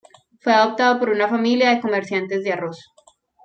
Fue adoptado por una familia de comerciantes de arroz.